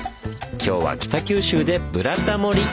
今日は北九州で「ブラタモリ」！